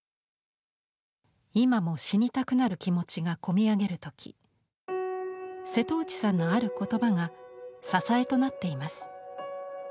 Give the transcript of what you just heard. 今も死にたくなる気持ちが込み上げるとき瀬戸内さんのあることばが支えとなっています。